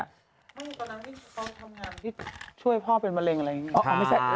ก็นางที่ทำงานที่ช่วยพ่อเป็นมะเร็งอะไรอย่างนี้